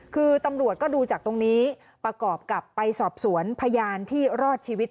คือตำรวจก็ดูจากตรงนี้ประกอบกับไปสอบสวนพยานที่รอดชีวิต